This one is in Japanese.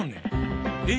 え？